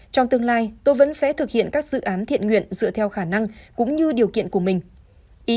trong tương lai tôi vẫn sẽ thực hiện các dự án thiện nguyện dựa theo khả năng cũng như điều kiện của mình